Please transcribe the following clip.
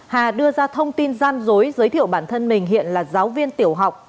hà đưa ra thông tin gian dối giới thiệu bản thân mình hiện là giáo viên tiểu học